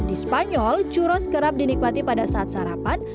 di spanyol churos kerap dinikmati pada saat sarapan